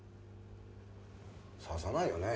刺さないよねえ？